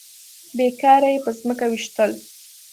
بې کاره يې په ځمکه ويشتل.